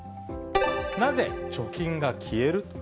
なぜ貯金が消える？